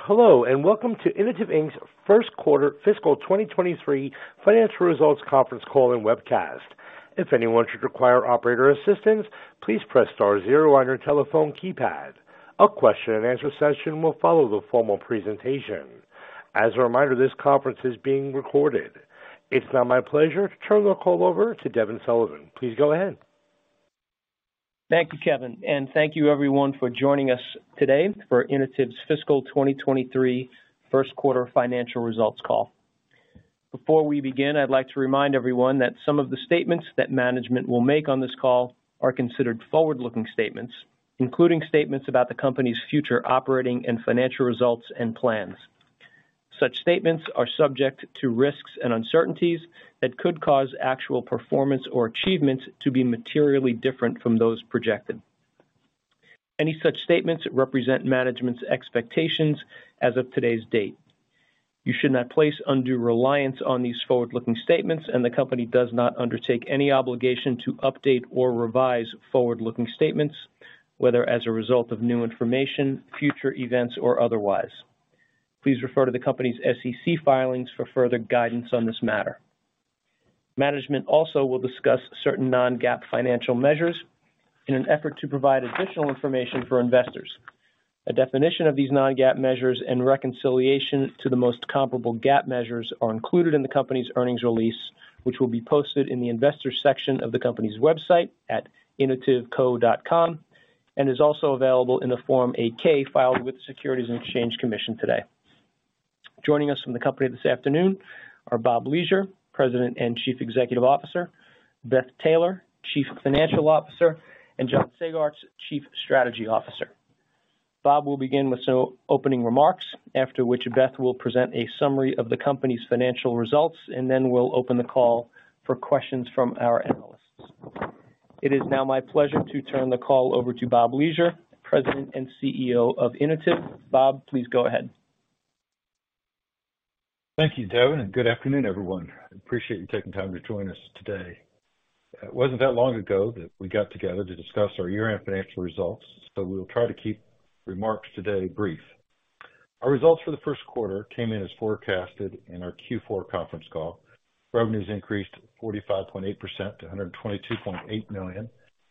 Hello, welcome to Inotiv, Inc.'s first quarter fiscal 2023 financial results conference call and webcast. If anyone should require operator assistance, please press star zero on your telephone keypad. A question and answer session will follow the formal presentation. As a reminder, this conference is being recorded. It's now my pleasure to turn the call over to Devin Sullivan. Please go ahead. Thank you, Kevin, and thank you everyone for joining us today for Inotiv's fiscal 2023 first quarter financial results call. Before we begin, I'd like to remind everyone that some of the statements that management will make on this call are considered forward-looking statements, including statements about the company's future operating and financial results and plans. Such statements are subject to risks and uncertainties that could cause actual performance or achievements to be materially different from those projected. Any such statements represent management's expectations as of today's date. You should not place undue reliance on these forward-looking statements. The company does not undertake any obligation to update or revise forward-looking statements, whether as a result of new information, future events, or otherwise. Please refer to the company's SEC filings for further guidance on this matter. Management also will discuss certain non-GAAP financial measures in an effort to provide additional information for investors. A definition of these non-GAAP measures and reconciliation to the most comparable GAAP measures are included in the company's earnings release, which will be posted in the investors section of the company's website at inotivco.com, and is also available in the Form 8-K filed with the Securities and Exchange Commission today. Joining us from the company this afternoon are Bob Leasure, President and Chief Executive Officer, Beth Taylor, Chief Financial Officer, and John Sagartz, Chief Strategy Officer. Bob will begin with some opening remarks, after which Beth will present a summary of the company's financial results, and then we'll open the call for questions from our analysts. It is now my pleasure to turn the call over to Bob Leasure, President and CEO of Inotiv. Bob, please go ahead. Thank you, Devin, and good afternoon, everyone. Appreciate you taking time to join us today. It wasn't that long ago that we got together to discuss our year-end financial results, so we'll try to keep remarks today brief. Our results for the first quarter came in as forecasted in our Q4 conference call. Revenues increased 45.8% to $122.8 million,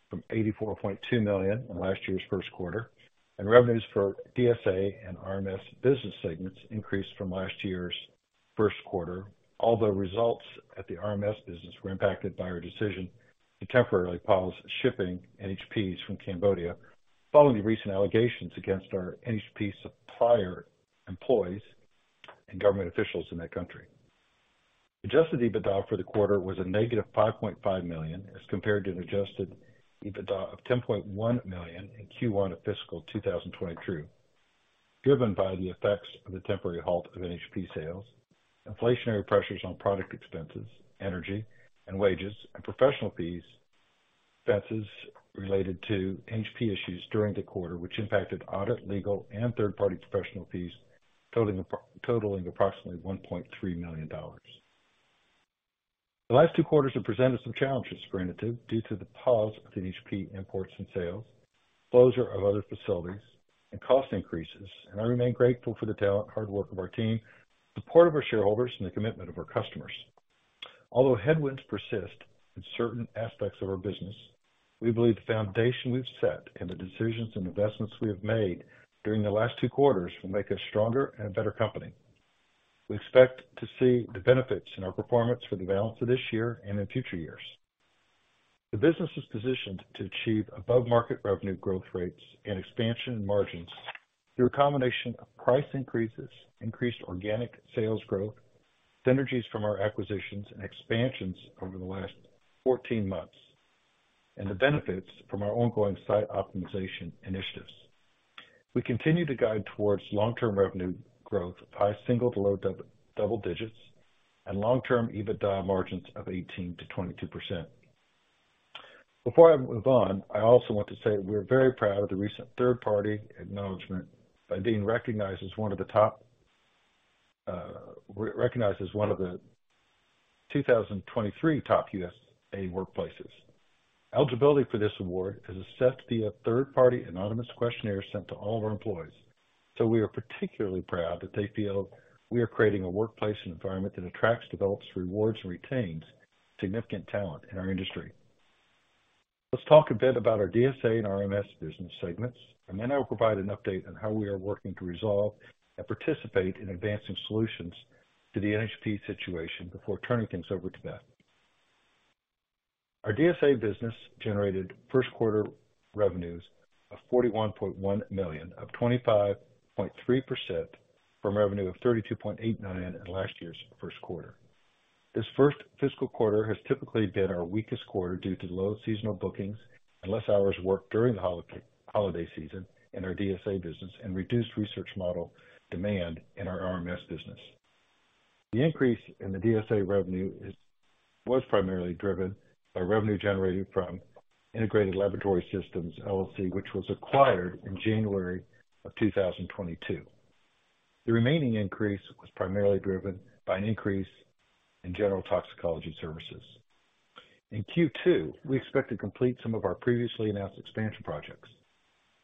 from $84.2 million in last year's first quarter. Revenues for DSA and RMS business segments increased from last year's first quarter. Although results at the RMS business were impacted by our decision to temporarily pause shipping NHPs from Cambodia following the recent allegations against our NHP supplier employees and government officials in that country. adjusted EBITDA for the quarter was -$5.5 million, as compared to an adjusted EBITDA of $10.1 million in Q1 of fiscal 2022. Driven by the effects of the temporary halt of NHP sales, inflationary pressures on product expenses, energy and wages, and professional fees, expenses related to NHP issues during the quarter, which impacted audit, legal, and third-party professional fees totaling approximately $1.3 million. The last two quarters have presented some challenges for Inotiv due to the pause of NHP imports and sales, closure of other facilities, and cost increases. I remain grateful for the talent, hard work of our team, support of our shareholders, and the commitment of our customers. Although headwinds persist in certain aspects of our business, we believe the foundation we've set and the decisions and investments we have made during the last two quarters will make us stronger and a better company. We expect to see the benefits in our performance for the balance of this year and in future years. The business is positioned to achieve above-market revenue growth rates and expansion margins through a combination of price increases, increased organic sales growth, synergies from our acquisitions, and expansions over the last 14 months, and the benefits from our ongoing site optimization initiatives. We continue to guide towards long-term revenue growth of high single to low double digits and long-term EBITDA margins of 18%-22%. Before I move on, I also want to say we're very proud of the recent third-party acknowledgement by being re-recognized as one of the 2023 top USA workplaces. Eligibility for this award is assessed via third-party anonymous questionnaire sent to all of our employees. We are particularly proud that they feel we are creating a workplace and environment that attracts, develops, rewards, and retains significant talent in our industry. Let's talk a bit about our DSA and RMS business segments, then I will provide an update on how we are working to resolve and participate in advancing solutions to the NHP situation before turning things over to Beth. Our DSA business generated first quarter revenues of $41.1 million, of 25.3% from revenue of $32.89 million in last year's first quarter. This first fiscal quarter has typically been our weakest quarter due to low seasonal bookings and less hours worked during the holiday season in our DSA business and reduced research model demand in our RMS business. The increase in the DSA revenue was primarily driven by revenue generated from Integrated Laboratory Systems, LLC, which was acquired in January 2022. The remaining increase was primarily driven by an increase in general toxicology services. In Q2, we expect to complete some of our previously announced expansion projects.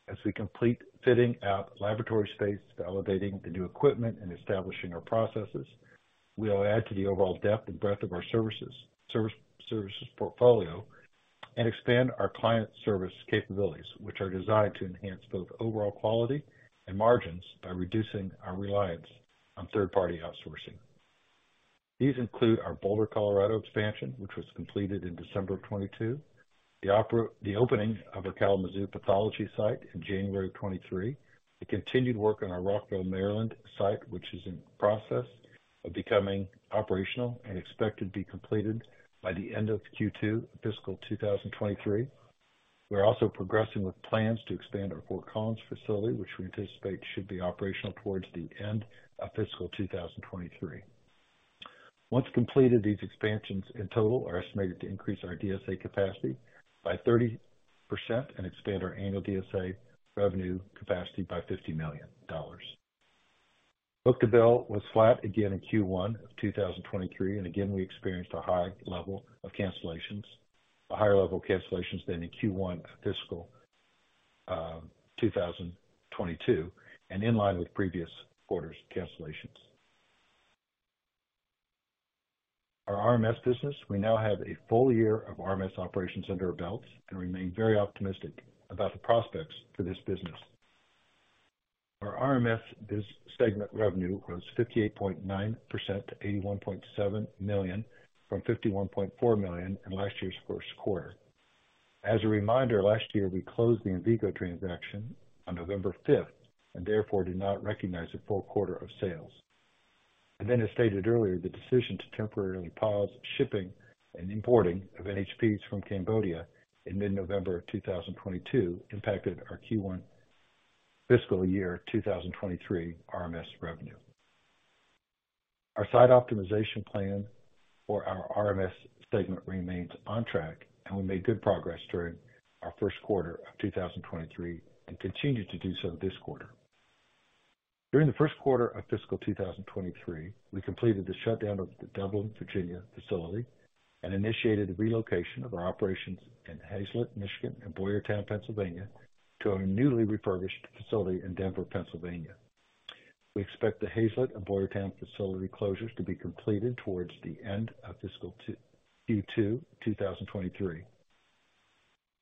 As we complete fitting out laboratory space, validating the new equipment, and establishing our processes, we will add to the overall depth and breadth of our services portfolio and expand our client service capabilities, which are designed to enhance both overall quality and margins by reducing our reliance on third-party outsourcing. These include our Boulder, Colorado expansion, which was completed in December of 2022, the opening of our Kalamazoo pathology site in January of 2023. The continued work on our Rockville, Maryland site, which is in process of becoming operational and expected to be completed by the end of Q2 fiscal 2023. We're also progressing with plans to expand our Fort Collins facility, which we anticipate should be operational towards the end of fiscal 2023. Once completed, these expansions in total are estimated to increase our DSA capacity by 30% and expand our annual DSA revenue capacity by $50 million. Book-to-bill was flat again in Q1 of 2023, and again, we experienced a high level of cancellations, a higher level of cancellations than in Q1 of fiscal 2022 and in line with previous quarters' cancellations. Our RMS business. We now have a full year of RMS operations under our belts and remain very optimistic about the prospects for this business. Our RMS segment revenue grows 58.9% to $81.7 million, from $51.4 million in last year's 1st quarter. As stated earlier, the decision to temporarily pause shipping and importing of NHPs from Cambodia in mid-November 2022 impacted our Q1 fiscal year 2023 RMS revenue. Our site optimization plan for our RMS segment remains on track. We made good progress during our first quarter of 2023 and continue to do so this quarter. During the first quarter of fiscal 2023, we completed the shutdown of the Dublin, Virginia facility and initiated the relocation of our operations in Haslett, Michigan, and Boyertown, Pennsylvania, to our newly refurbished facility in Denver, Pennsylvania. We expect the Haslett and Boyertown facility closures to be completed towards the end of fiscal Q2 2023.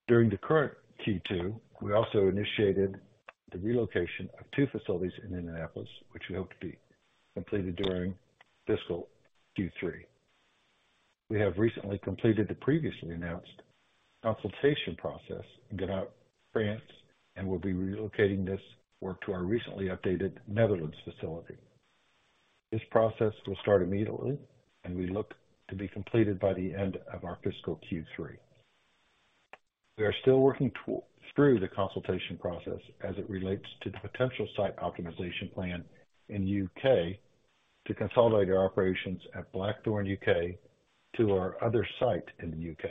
During the current Q2, we also initiated the relocation of two facilities in Indianapolis, which we hope to be completed during fiscal Q3. We have recently completed the previously announced consultation process in Gannat, France, and will be relocating this work to our recently updated Netherlands facility. This process will start immediately, and we look to be completed by the end of our fiscal Q3. We are still working through the consultation process as it relates to the potential site optimization plan in U.K. to consolidate our operations at Blackthorn U.K. to our other site in the U.K.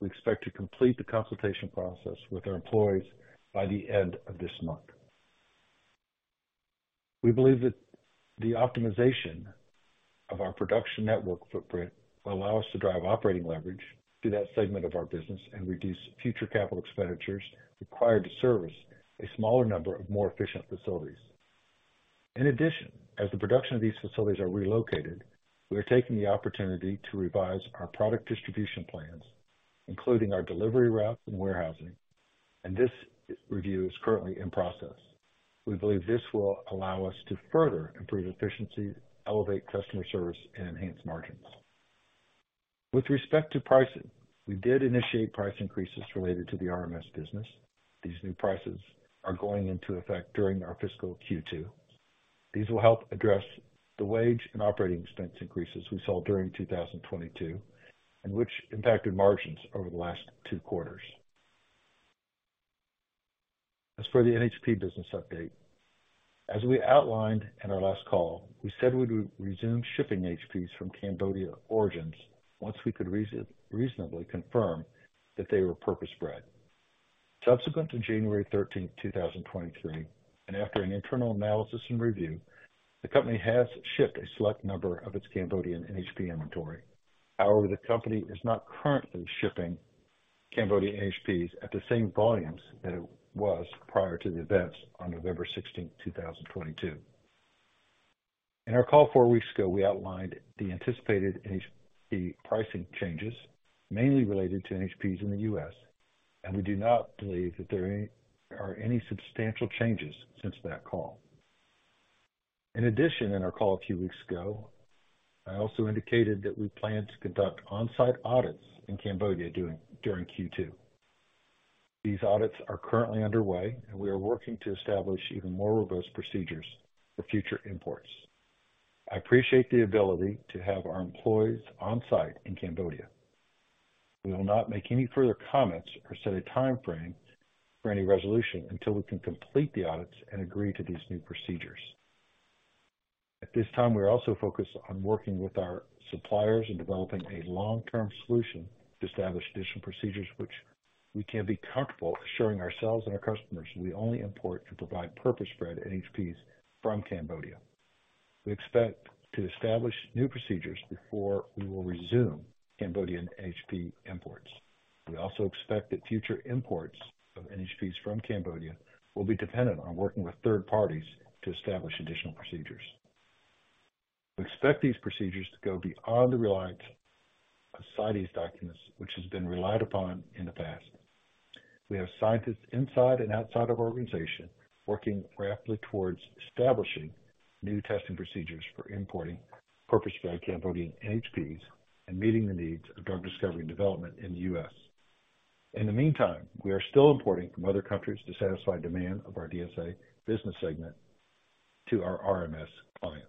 We expect to complete the consultation process with our employees by the end of this month. We believe that the optimization of our production network footprint will allow us to drive operating leverage through that segment of our business and reduce future capital expenditures required to service a smaller number of more efficient facilities. In addition, as the production of these facilities are relocated, we are taking the opportunity to revise our product distribution plans, including our delivery route and warehousing. This review is currently in process. We believe this will allow us to further improve efficiency, elevate customer service, and enhance margins. With respect to pricing, we did initiate price increases related to the RMS business. These new prices are going into effect during our fiscal Q2. These will help address the wage and operating expense increases we saw during 2022 and which impacted margins over the last two quarters. As for the NHP business update, as we outlined in our last call, we said we would resume shipping NHPs from Cambodia origins once we could reasonably confirm that they were purpose-bred. Subsequent to January 13th, 2023, and after an internal analysis and review, the company has shipped a select number of its Cambodian NHP inventory. However, the company is not currently shipping Cambodian NHPs at the same volumes that it was prior to the events on November 16th, 2022. In our call four weeks ago, we outlined the anticipated NHP pricing changes, mainly related to NHPs in the U.S., and we do not believe that there are any substantial changes since that call. In addition, in our call a few weeks ago, I also indicated that we plan to conduct on-site audits in Cambodia during Q2. These audits are currently underway, and we are working to establish even more robust procedures for future imports. I appreciate the ability to have our employees on-site in Cambodia. We will not make any further comments or set a timeframe for any resolution until we can complete the audits and agree to these new procedures. At this time, we're also focused on working with our suppliers in developing a long-term solution to establish additional procedures which we can be comfortable assuring ourselves and our customers we only import to provide purpose-bred NHPs from Cambodia. We expect to establish new procedures before we will resume Cambodian NHP imports. We also expect that future imports of NHPs from Cambodia will be dependent on working with third parties to establish additional procedures. We expect these procedures to go beyond the reliance of CITES documents, which has been relied upon in the past. We have scientists inside and outside of our organization working rapidly towards establishing new testing procedures for importing purpose-bred Cambodian NHPs and meeting the needs of drug discovery and development in the U.S. In the meantime, we are still importing from other countries to satisfy demand of our DSA business segment to our RMS clients.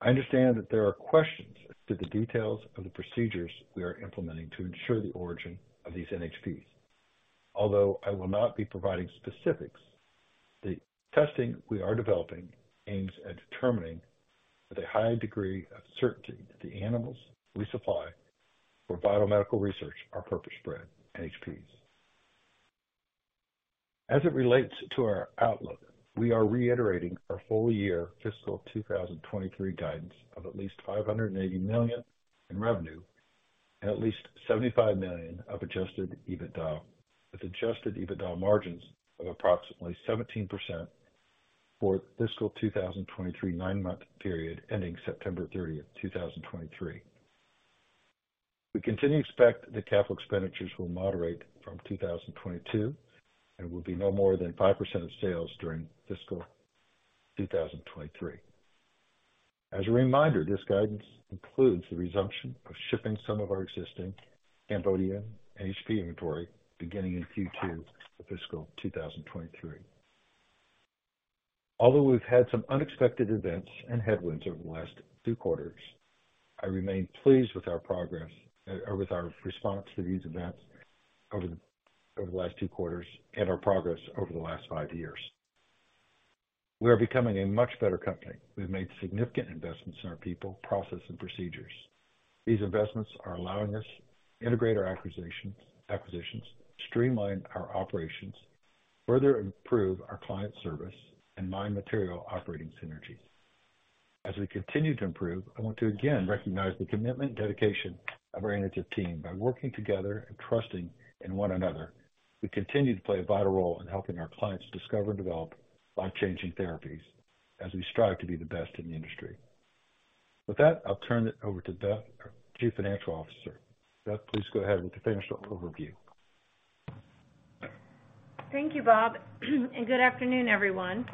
I understand that there are questions as to the details of the procedures we are implementing to ensure the origin of these NHPs. Although I will not be providing specifics, the testing we are developing aims at determining with a high degree of certainty that the animals we supply for biomedical research are purpose-bred NHPs. As it relates to our outlook, we are reiterating our full-year fiscal 2023 guidance of at least $580 million in revenue and at least $75 million of adjusted EBITDA, with adjusted EBITDA margins of approximately 17% for fiscal 2023 nine-month period ending September 30th, 2023. We continue to expect that capital expenditures will moderate from 2022 and will be no more than 5% of sales during fiscal 2023. As a reminder, this guidance includes the resumption of shipping some of our existing Cambodia NHP inventory beginning in Q2 for fiscal 2023. Although we've had some unexpected events and headwinds over the last two quarters, I remain pleased with our progress, or with our response to these events over the last two quarters and our progress over the last five years. We are becoming a much better company. We've made significant investments in our people, process, and procedures. These investments are allowing us to integrate our acquisitions, streamline our operations, further improve our client service, and mine material operating synergies. We continue to improve, I want to again recognize the commitment and dedication of our Inotiv team. By working together and trusting in one another, we continue to play a vital role in helping our clients discover and develop life-changing therapies as we strive to be the best in the industry. I'll turn it over to Beth, our Chief Financial Officer. Beth, please go ahead and finish the overview. Thank you, Bob. Good afternoon, everyone.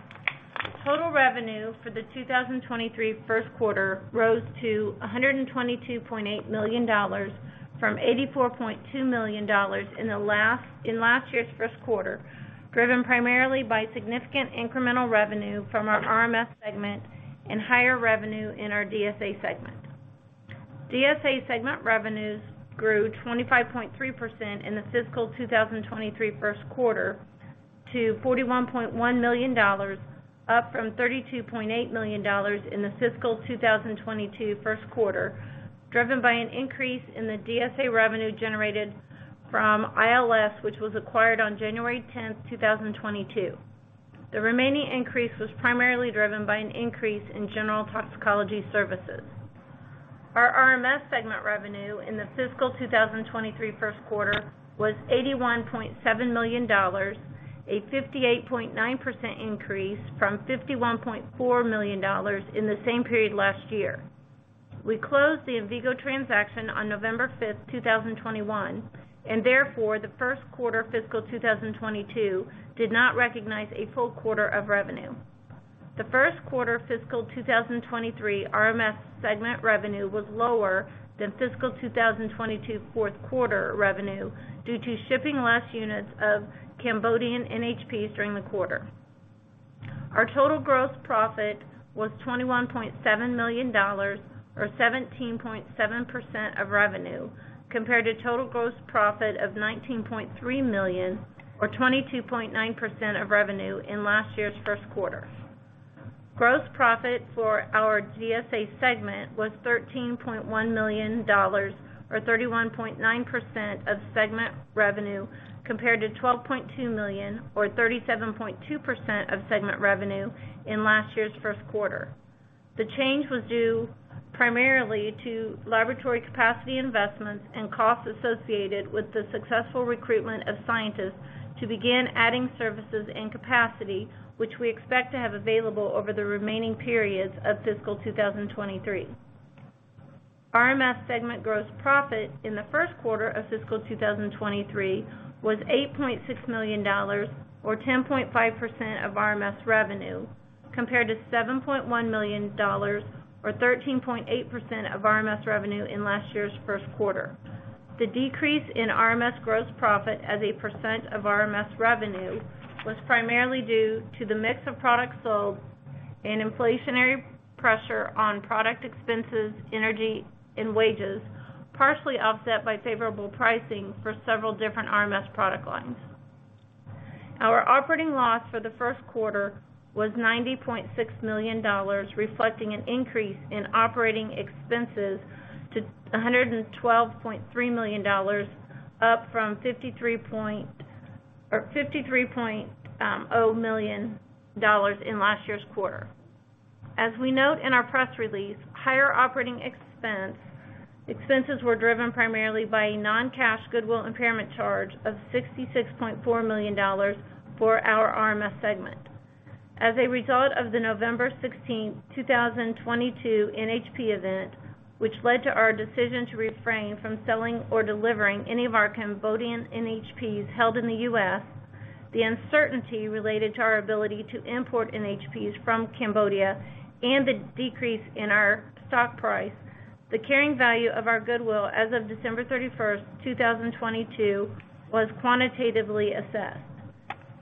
Total revenue for the 2023 first quarter rose to $122.8 million from $84.2 million in last year's first quarter, driven primarily by significant incremental revenue from our RMS segment and higher revenue in our DSA segment. DSA segment revenues grew 25.3% in the fiscal 2023 first quarter to $41.1 million, up from $32.8 million in the fiscal 2022 first quarter, driven by an increase in the DSA revenue generated from ILS, which was acquired on January 10th, 2022. The remaining increase was primarily driven by an increase in general toxicology services. Our RMS segment revenue in the fiscal 2023 first quarter was $81.7 million, a 58.9% increase from $51.4 million in the same period last year. We closed the Envigo transaction on November 5th, 2021, and therefore, the first quarter fiscal 2022 did not recognize a full quarter of revenue. The first quarter fiscal 2023 RMS segment revenue was lower than fiscal 2022 fourth quarter revenue due to shipping less units of Cambodian NHPs during the quarter. Our total gross profit was $21.7 million or 17.7% of revenue, compared to total gross profit of $19.3 million or 22.9% of revenue in last year's first quarter. Gross profit for our DSA segment was $13.1 million or 31.9% of segment revenue, compared to $12.2 million or 37.2% of segment revenue in last year's first quarter. The change was due primarily to laboratory capacity investments and costs associated with the successful recruitment of scientists to begin adding services and capacity, which we expect to have available over the remaining periods of fiscal 2023. RMS segment gross profit in the first quarter of fiscal 2023 was $8.6 million or 10.5% of RMS revenue, compared to $7.1 million or 13.8% of RMS revenue in last year's first quarter. The decrease in RMS gross profit as a % of RMS revenue was primarily due to the mix of products sold. Inflationary pressure on product expenses, energy, and wages, partially offset by favorable pricing for several different RMS product lines. Our operating loss for the first quarter was $90.6 million, reflecting an increase in operating expenses to $112.3 million, up from $53.0 million in last year's quarter. As we note in our press release, higher operating expenses were driven primarily by a non-cash goodwill impairment charge of $66.4 million for our RMS segment. As a result of the November 16th, 2022 NHP event, which led to our decision to refrain from selling or delivering any of our Cambodian NHPs held in the U.S., the uncertainty related to our ability to import NHPs from Cambodia, and the decrease in our stock price, the carrying value of our goodwill as of December 31st, 2022, was quantitatively assessed.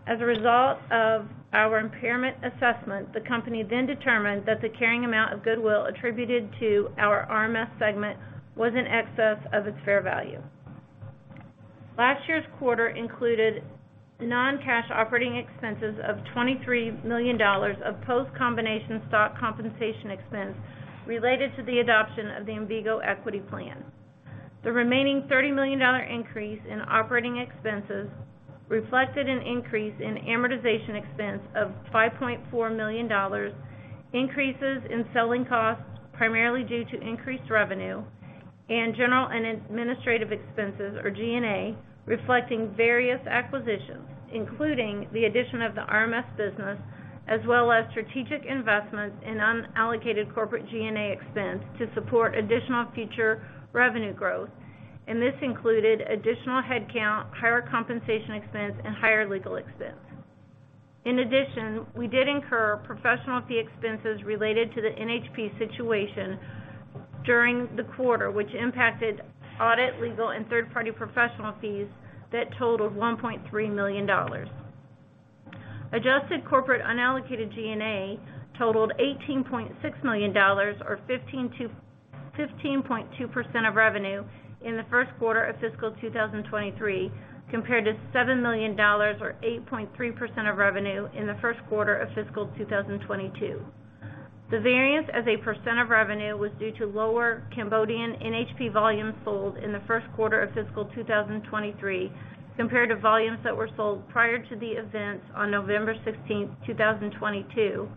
As a result of our impairment assessment, the company determined that the carrying amount of goodwill attributed to our RMS segment was in excess of its fair value. Last year's quarter included non-cash operating expenses of $23 million of post-combination stock compensation expense related to the adoption of the Envigo equity plan. The remaining $30 million increase in operating expenses reflected an increase in amortization expense of $5.4 million, increases in selling costs, primarily due to increased revenue, and general and administrative expenses, or G&A, reflecting various acquisitions, including the addition of the RMS business, as well as strategic investments in unallocated corporate G&A expense to support additional future revenue growth. This included additional headcount, higher compensation expense, and higher legal expense. In addition, we did incur professional fee expenses related to the NHP situation during the quarter, which impacted audit, legal, and third-party professional fees that totaled $1.3 million. Adjusted corporate unallocated G&A totaled $18.6 million or 15.2% of revenue in the first quarter of fiscal 2023, compared to $7 million or 8.3% of revenue in the first quarter of fiscal 2022. The variance as a percent of revenue was due to lower Cambodian NHP volumes sold in the first quarter of fiscal 2023, compared to volumes that were sold prior to the events on November 16th, 2022,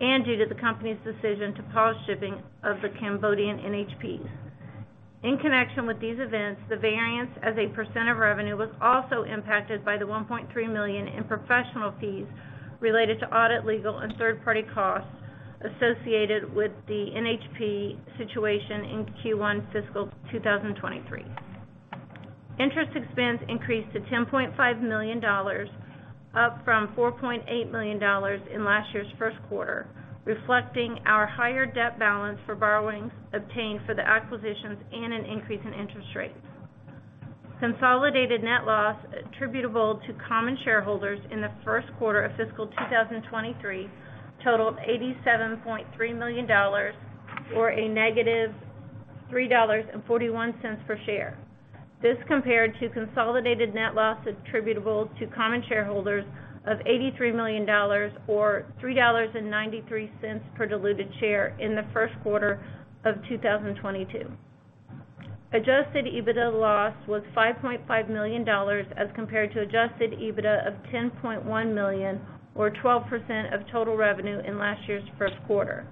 and due to the company's decision to pause shipping of the Cambodian NHPs. In connection with these events, the variance as a percent of revenue was also impacted by the $1.3 million in professional fees related to audit, legal, and third-party costs associated with the NHP situation in Q1 fiscal 2023. Interest expense increased to $10.5 million, up from $4.8 million in last year's first quarter, reflecting our higher debt balance for borrowings obtained for the acquisitions and an increase in interest rates. Consolidated net loss attributable to common shareholders in the first quarter of fiscal 2023 totaled $87.3 million or a negative $3.41 per share. This compared to consolidated net loss attributable to common shareholders of $83 million or $3.93 per diluted share in the first quarter of 2022. Adjusted EBITDA loss was $5.5 million as compared to adjusted EBITDA of $10.1 million or 12% of total revenue in last year's first quarter.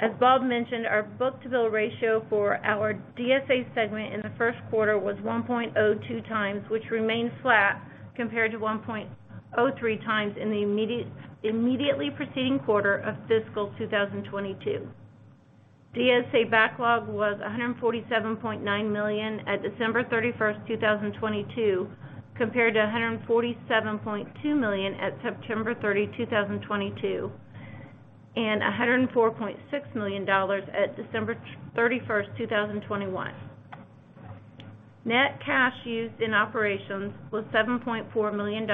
As Bob mentioned, our book-to-bill ratio for our DSA segment in the first quarter was 1.02 times, which remains flat compared to 1.03 times in the immediately preceding quarter of fiscal 2022. DSA backlog was $147.9 million at December 31st, 2022, compared to $147.2 million at September 30, 2022, and $104.6 million at December 31st, 2021. Net cash used in operations was $7.4 million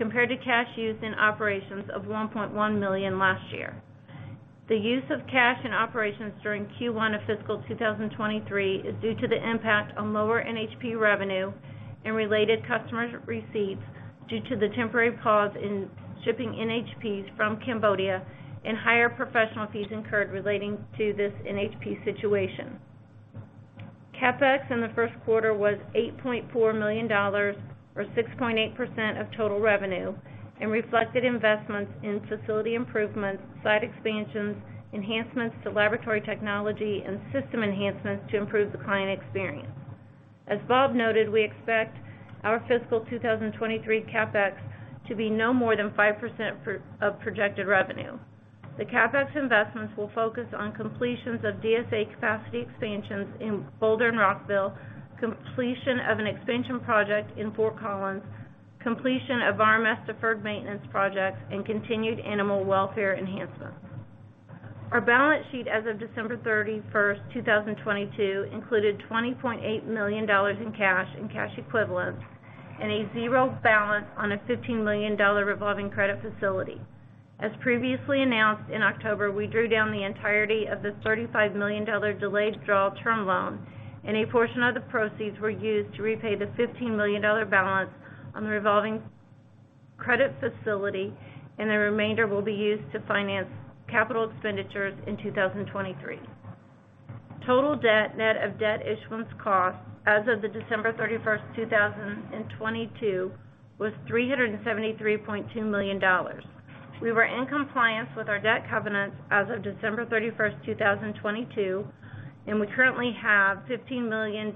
compared to cash used in operations of $1.1 million last year. The use of cash in operations during Q1 of fiscal 2023 is due to the impact on lower NHP revenue and related customers receipts due to the temporary pause in shipping NHPs from Cambodia and higher professional fees incurred relating to this NHP situation. CapEx in the first quarter was $8.4 million or 6.8% of total revenue and reflected investments in facility improvements, site expansions, enhancements to laboratory technology, and system enhancements to improve the client experience. As Bob noted, we expect our fiscal 2023 CapEx to be no more than 5% of projected revenue. The CapEx investments will focus on completions of DSA capacity expansions in Boulder and Rockville, completion of an expansion project in Fort Collins, completion of RMS deferred maintenance projects, and continued animal welfare enhancements. Our balance sheet as of December 31, 2022 included $20.8 million in cash and cash equivalents and a zero balance on a $15 million revolving credit facility. As previously announced in October, we drew down the entirety of the $35 million delayed draw term loan and a portion of the proceeds were used to repay the $15 million balance on the revolving credit facility, and the remainder will be used to finance capital expenditures in 2023. Total debt, net of debt issuance costs as of the December 31st, 2022 was $373.2 million. We were in compliance with our debt covenants as of December thirty-first 2022, we currently have $15 million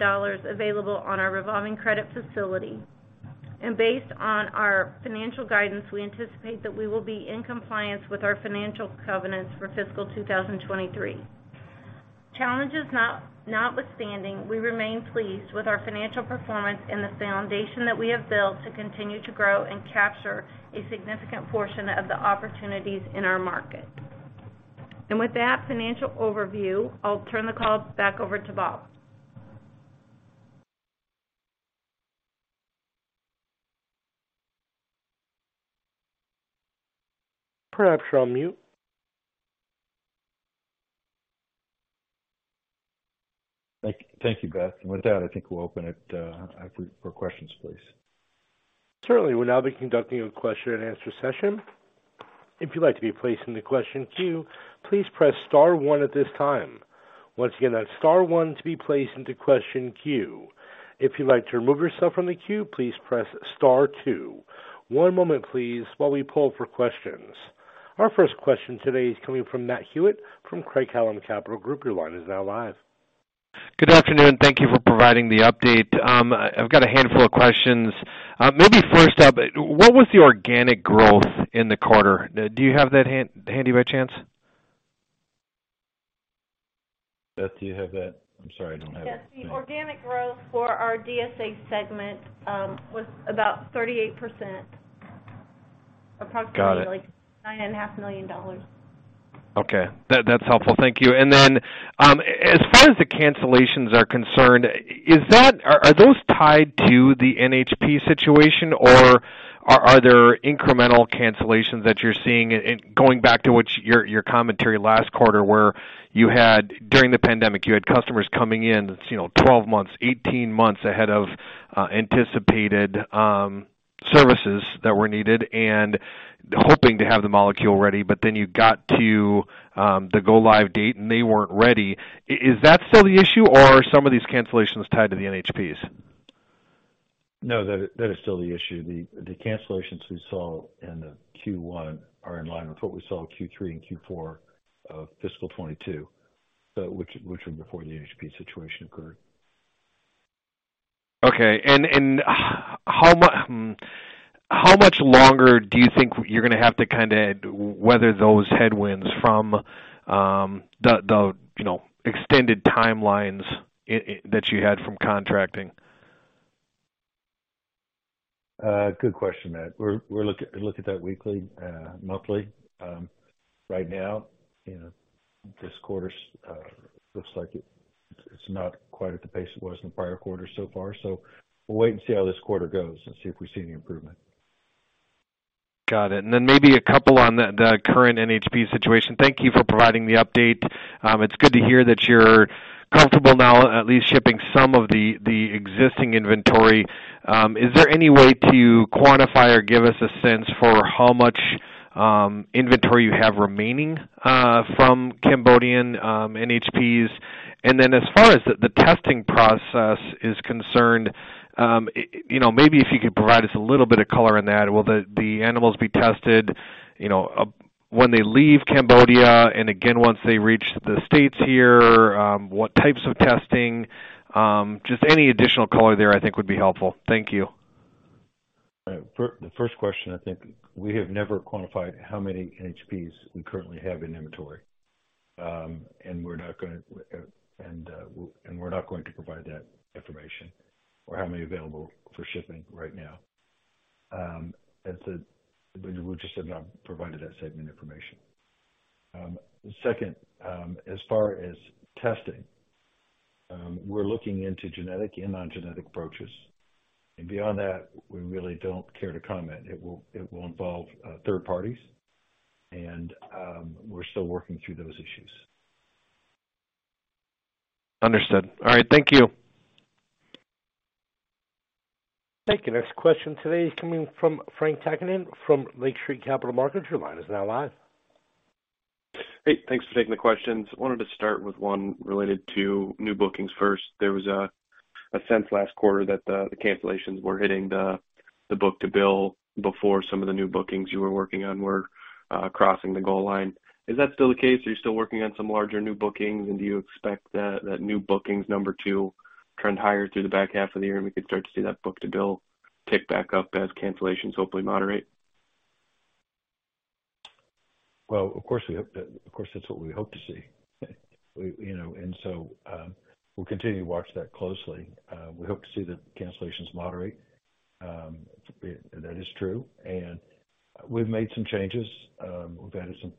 available on our revolving credit facility. Based on our financial guidance, we anticipate that we will be in compliance with our financial covenants for fiscal 2023. Challenges notwithstanding, we remain pleased with our financial performance and the foundation that we have built to continue to grow and capture a significant portion of the opportunities in our market. With that financial overview, I'll turn the call back over to Bob. Perhaps you're on mute. Thank you, Beth. With that, I think we'll open it up for questions, please. Certainly. We'll now be conducting a question and answer session. If you'd like to be placed in the question queue, please press star one at this time. Once again, that's star one to be placed into question queue. If you'd like to remove yourself from the queue, please press star two. One moment, please, while we pull for questions. Our first question today is coming from Matt Hewitt from Craig-Hallum Capital Group. Your line is now live. Good afternoon. Thank you for providing the update. I've got a handful of questions. Maybe first up, what was the organic growth in the quarter? Do you have that handy by chance? Beth, do you have that? I'm sorry, I don't have it. Yes. The organic growth for our DSA segment, was about 38%. Got it. Approximately $9.5 million Okay. That's helpful. Thank you. As far as the cancellations are concerned, are those tied to the NHP situation, or are there incremental cancellations that you're seeing? Going back to what your commentary last quarter where you had during the pandemic, you had customers coming in, you know, 12 months, 18 months ahead of anticipated services that were needed and hoping to have the molecule ready, but then you got to the go live date, and they weren't ready. Is that still the issue or are some of these cancellations tied to the NHPs? No, that is still the issue. The cancellations we saw in the Q1 are in line with what we saw in Q3 and Q4 of fiscal 2022, which was before the NHP situation occurred. Okay. How much longer do you think you're gonna have to kinda weather those headwinds from the, you know, extended timelines that you had from contracting? Good question, Matt. We're, we look at that weekly, monthly. Right now, you know, this quarter looks like it's not quite at the pace it was in the prior quarter so far. We'll wait and see how this quarter goes and see if we see any improvement. Got it. Maybe a couple on the current NHP situation. Thank you for providing the update. It's good to hear that you're comfortable now at least shipping some of the existing inventory. Is there any way to quantify or give us a sense for how much inventory you have remaining from Cambodian NHPs? As far as the testing process is concerned, you know, maybe if you could provide us a little bit of color on that. Will the animals be tested, you know, when they leave Cambodia and again once they reach the States here? What types of testing? Just any additional color there I think would be helpful. Thank you. All right. The first question, I think we have never quantified how many NHPs we currently have in inventory. We're not gonna and we're not going to provide that information or how many available for shipping right now. As we just have not provided that segment information. Second, as far as testing, we're looking into genetic and non-genetic approaches, and beyond that, we really don't care to comment. It will involve third parties, and we're still working through those issues. Understood. All right, thank you. Thank you. Next question today is coming from Frank Takkinen from Lake Street Capital Markets. Your line is now live. Hey, thanks for taking the questions. I wanted to start with one related to new bookings first. There was a sense last quarter that the cancellations were hitting the book-to-bill before some of the new bookings you were working on were crossing the goal line. Is that still the case? Are you still working on some larger new bookings, and do you expect that new bookings number to trend higher through the back half of the year, and we could start to see that book-to-bill tick back up as cancellations hopefully moderate? Of course, that's what we hope to see. We, you know, we'll continue to watch that closely. We hope to see the cancellations moderate. That is true. We've made some changes. We've added some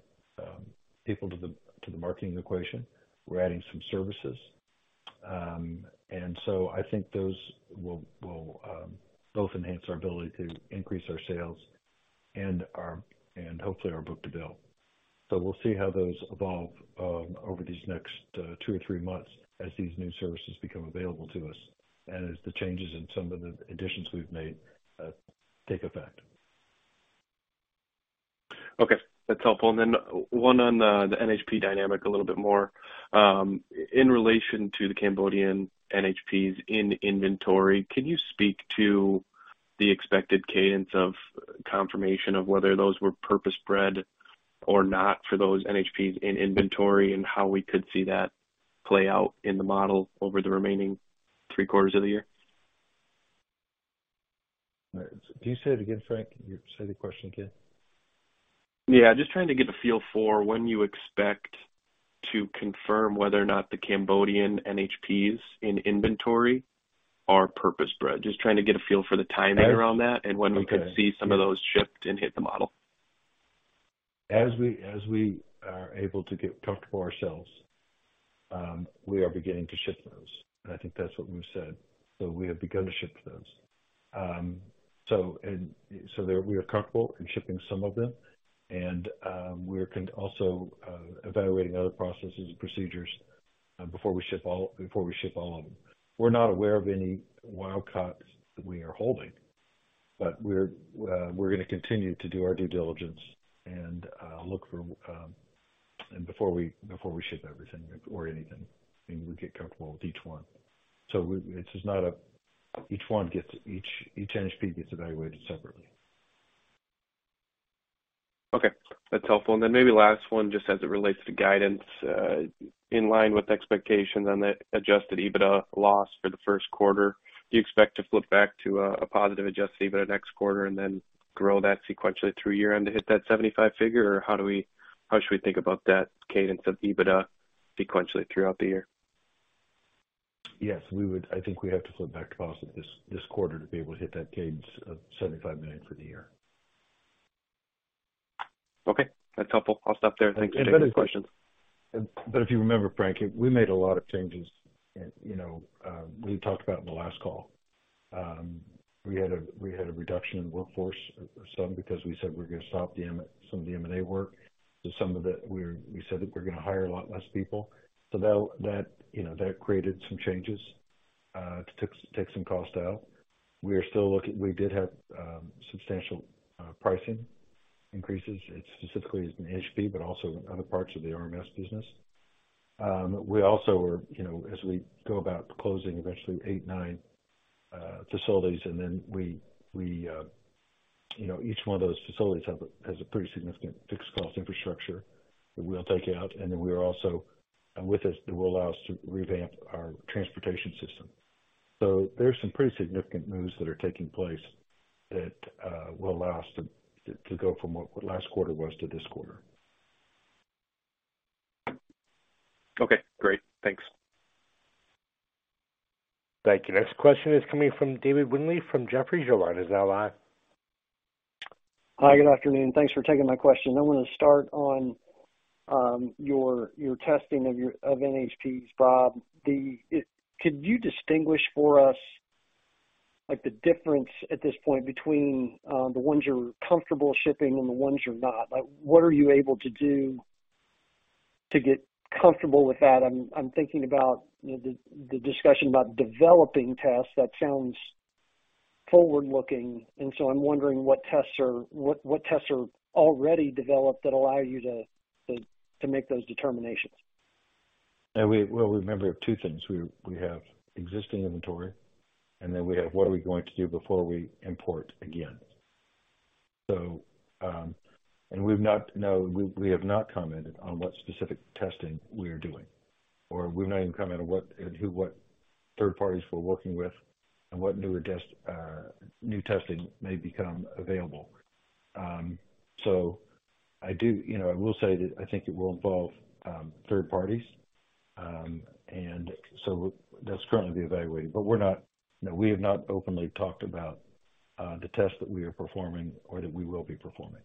people to the marketing equation. We're adding some services. I think those will both enhance our ability to increase our sales and hopefully our book-to-bill. We'll see how those evolve over these next two or three months as these new services become available to us and as the changes and some of the additions we've made take effect. Okay. That's helpful. Then one on the NHP dynamic a little bit more. In relation to the Cambodian NHPs in inventory, can you speak to the expected cadence of confirmation of whether those were purpose-bred or not for those NHPs in inventory, and how we could see that play out in the model over the remaining three quarters of the year? All right. Can you say it again, Frank? Say the question again. Yeah. Just trying to get a feel for when you expect to confirm whether or not the Cambodian NHPs in inventory are purpose-bred. Just trying to get a feel for the timing around that. Okay. when we could see some of those shipped and hit the model. As we are able to get comfortable ourselves, we are beginning to ship those, and I think that's what we've said. We have begun to ship those. There we are comfortable in shipping some of them and we're also evaluating other processes and procedures before we ship all of them. We're not aware of any wild-caught that we are holding, but we're gonna continue to do our due diligence and look for and before we ship everything or anything, and we get comfortable with each one. This is not a... Each NHP gets evaluated separately. Okay. That's helpful. Then maybe last one, just as it relates to guidance, in line with expectations on the adjusted EBITDA loss for the first quarter, do you expect to flip back to a positive adjusted EBITDA next quarter and then grow that sequentially through year-end to hit that $75 figure? How should we think about that cadence of EBITDA sequentially throughout the year? Yes, we would. I think we have to flip back to positive this quarter to be able to hit that cadence of $75 million for the year. Okay. That's helpful. I'll stop there. Thank you for taking the questions. If you remember, Frank, we made a lot of changes and, you know, we talked about in the last call. We had a, we had a reduction in workforce or some because we said we're gonna stop some of the M&A work. Some of it we said that we're gonna hire a lot less people. That, you know, that created some changes to take some costs out. We are still looking. We did have substantial pricing increases. It's specifically as an NHP, but also other parts of the RMS business. We also were, you know, as we go about closing eventually 8, 9 facilities, and then we, you know, each one of those facilities has a pretty significant fixed cost infrastructure that we'll take out. We are also... With this, it will allow us to revamp our transportation system. There's some pretty significant moves that are taking place that will allow us to go from what last quarter was to this quarter. Okay, great. Thanks. Thank you. Next question is coming from David Windley from Jefferies. Your line is now live. Hi. Good afternoon. Thanks for taking my question. I wanna start on, your testing of NHPs. Bob, the... Could you distinguish for us, like, the difference at this point between the ones you're comfortable shipping and the ones you're not? Like, what are you able to do to get comfortable with that? I'm thinking about the discussion about developing tests that sounds forward-looking, and so I'm wondering what tests are, what tests are already developed that allow you to make those determinations. Yeah. We, well, remember we have two things. We have existing inventory, and then we have what are we going to do before we import again. We have not commented on what specific testing we are doing, or we've not even commented what third parties we're working with and what newer test, new testing may become available. I do... You know, I will say that I think it will involve third parties. That's currently being evaluated. We're not... You know, we have not openly talked about the tests that we are performing or that we will be performing.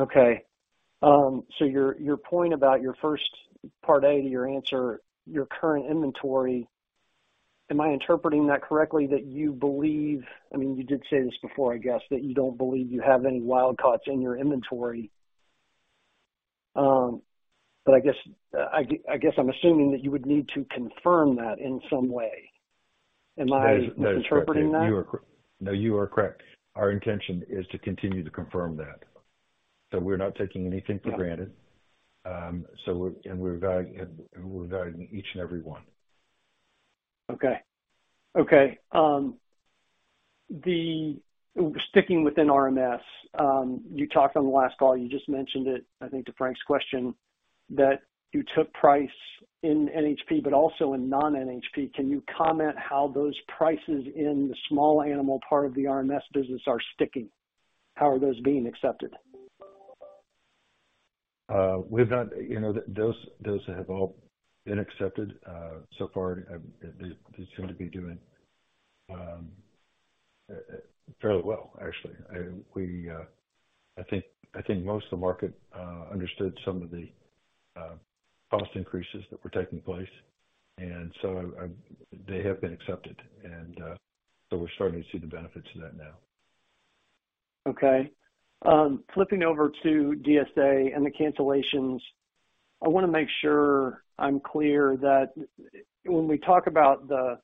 Okay. Your, your point about your first part A to your answer, your current inventory, am I interpreting that correctly that you believe, I mean, you did say this before, I guess, that you don't believe you have any wild caughts in your inventory. I guess I'm assuming that you would need to confirm that in some way. Am I misinterpreting that? That is correct. You are correct. Our intention is to continue to confirm that. We're not taking anything for granted. We're, and we're evaluating each and every one. Okay. Okay. Sticking within RMS, you talked on the last call, you just mentioned it, I think to Frank's question, that you took price in NHP but also in non-NHP. Can you comment how those prices in the small animal part of the RMS business are sticking? How are those being accepted? We've not... You know, those have all been accepted so far. They seem to be doing fairly well, actually. We I think most of the market understood some of the cost increases that were taking place. They have been accepted and we're starting to see the benefits of that now. Okay. Flipping over to DSA and the cancellations, I want to make sure I'm clear that when we talk about the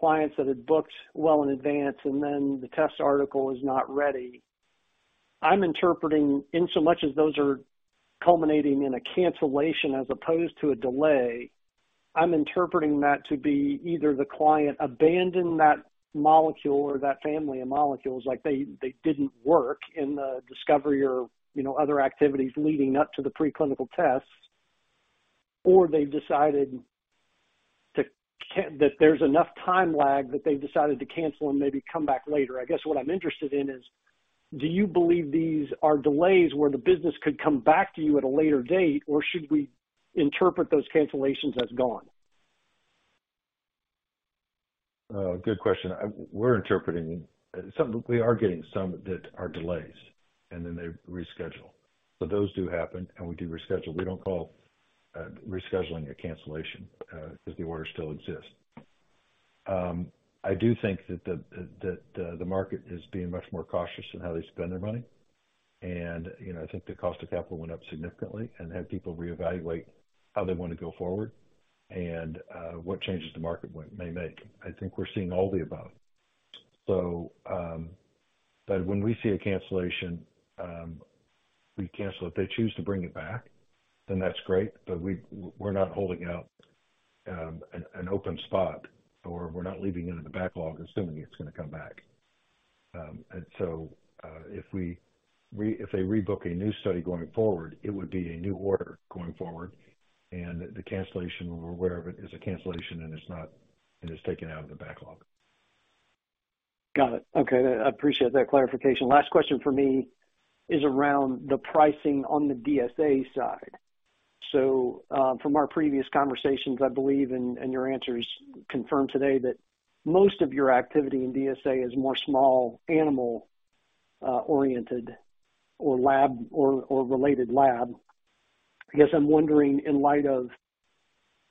clients that had booked well in advance and then the test article is not ready, I'm interpreting insomuch as those are culminating in a cancellation as opposed to a delay. I'm interpreting that to be either the client abandoned that molecule or that family of molecules, like they didn't work in the discovery or, you know, other activities leading up to the preclinical tests. They've decided that there's enough time lag that they've decided to cancel and maybe come back later. I guess what I'm interested in is, do you believe these are delays where the business could come back to you at a later date, or should we interpret those cancellations as gone? Good question. We're interpreting. We are getting some that are delays and then they reschedule. Those do happen, and we do reschedule. We don't call rescheduling a cancellation 'cause the order still exists. I do think that the market is being much more cautious in how they spend their money. You know, I think the cost of capital went up significantly and had people reevaluate how they wanna go forward and what changes the market may make. I think we're seeing all the above. But when we see a cancellation, we cancel. If they choose to bring it back, then that's great, but we're not holding out an open spot, or we're not leaving it in the backlog assuming it's gonna come back. If they rebook a new study going forward, it would be a new order going forward, the cancellation, we're aware of it, is a cancellation and it's taken out of the backlog. Got it. Okay. I appreciate that clarification. Last question for me is around the pricing on the DSA side. So from our previous conversations, I believe, and your answers confirm today, that most of your activity in DSA is more small animal oriented or lab or related lab. I guess I'm wondering, in light of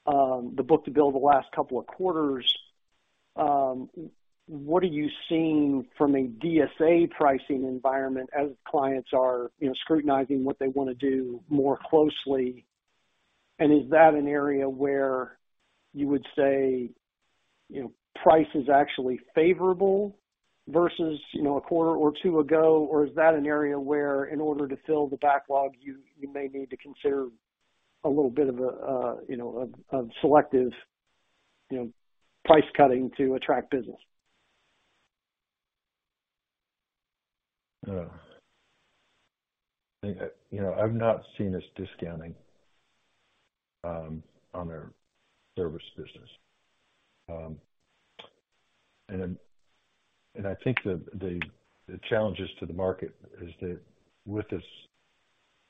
the book-to-bill the last couple of quarters, what are you seeing from a DSA pricing environment as clients are, you know, scrutinizing what they wanna do more closely? Is that an area where you would say, you know, price is actually favorable versus, you know, a quarter or two ago? Or is that an area where in order to fill the backlog, you may need to consider a little bit of a, you know, a selective, you know, price cutting to attract business? I think, you know, I've not seen us discounting on our service business. I think the challenges to the market is that with this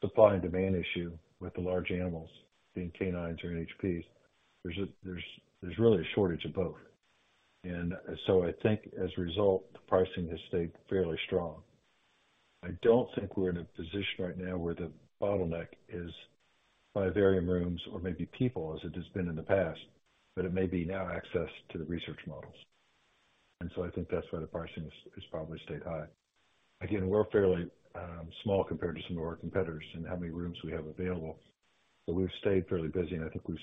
supply and demand issue, with the large animals being canines or NHPs, there's really a shortage of both. I think as a result, the pricing has stayed fairly strong. I don't think we're in a position right now where the bottleneck is vivarium rooms or maybe people, as it has been in the past, but it may be now access to the research models. I think that's why the pricing has probably stayed high. Again, we're fairly small compared to some of our competitors in how many rooms we have available, but we've stayed fairly busy, and I think we've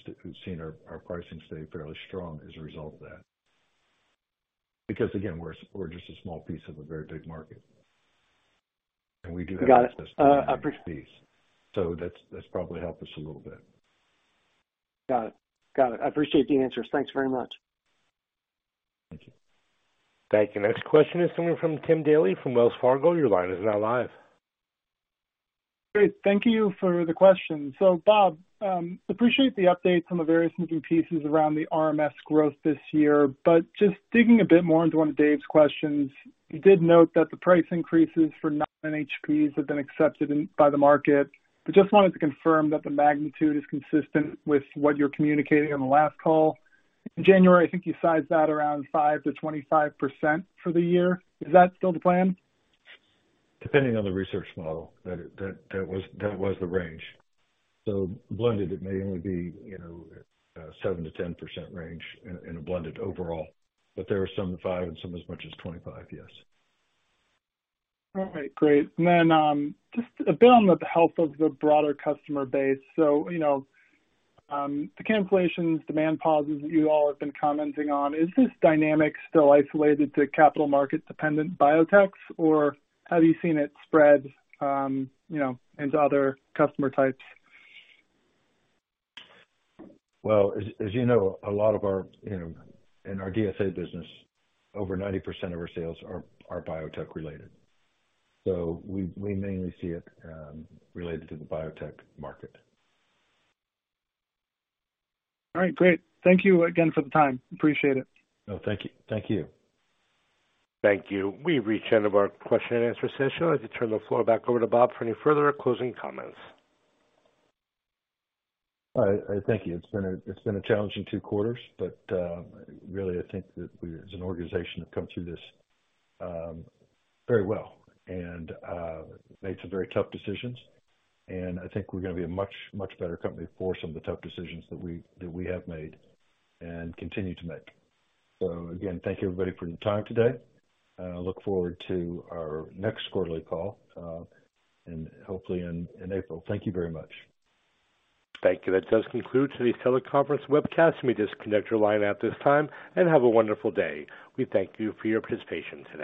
seen our pricing stay fairly strong as a result of that. Because again, we're just a small piece of a very big market. Got it. That's probably helped us a little bit. Got it. Got it. I appreciate the answers. Thanks very much. Thank you. Thank you. Next question is coming from Tim Daley from Wells Fargo. Your line is now live. Great. Thank you for the question. Bob, appreciate the updates on the various moving pieces around the RMS growth this year. Just digging a bit more into one of Dave's questions, you did note that the price increases for non-NHPs have been accepted in, by the market. I just wanted to confirm that the magnitude is consistent with what you're communicating on the last call. In January, I think you sized that around 5%-25% for the year. Is that still the plan? Depending on the research model, that was the range. blended, it may only be, you know, 7%-10% range in a blended overall, but there are some at 5% and some as much as 25%, yes. All right, great. Just a bit on the health of the broader customer base. You know, the cancellations, demand pauses that you all have been commenting on, is this dynamic still isolated to capital market-dependent biotechs, or have you seen it spread, you know, into other customer types? As you know, a lot of our, you know, in our DSA business, over 90% of our sales are biotech related, so we mainly see it, related to the biotech market. All right, great. Thank you again for the time. Appreciate it. No, thank you. Thank you. Thank you. We've reached the end of our question and answer session. I'd like to turn the floor back over to Bob for any further closing comments. All right. Thank you. It's been a challenging two quarters, but really, I think that we as an organization have come through this very well and made some very tough decisions, and I think we're gonna be a much, much better company for some of the tough decisions that we have made and continue to make. Again, thank you, everybody, for your time today. Look forward to our next quarterly call and hopefully in April. Thank you very much. Thank you. That does conclude today's teleconference webcast. Let me disconnect your line at this time. Have a wonderful day. We thank you for your participation today.